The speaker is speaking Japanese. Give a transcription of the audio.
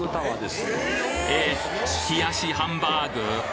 えっ冷やしハンバーグ？